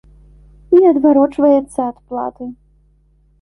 І адварочваецца ад платы.